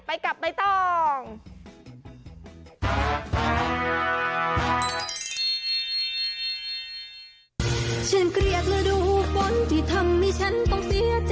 ไปกับใบตอง